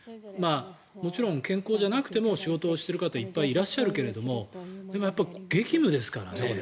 もちろん健康じゃなくても仕事をしていらっしゃる方もいっぱいいらっしゃるけれどもでもやっぱり、激務ですからね。